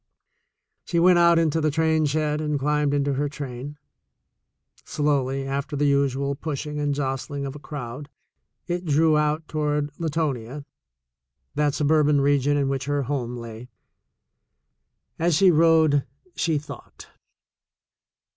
She went out into the train shed and climbed into her train. Slowly, after the usual pushing and jostling of a crowd, it drew out toward Latonia, that suburban region in which her home lay. As she rode, she thought.